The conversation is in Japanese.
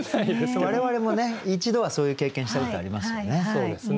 我々もね一度はそういう経験したことありますもんね。